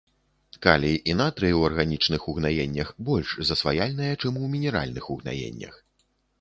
Калій і натрый у арганічных угнаеннях больш засваяльныя, чым у мінеральных угнаеннях.